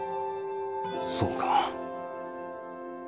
そうか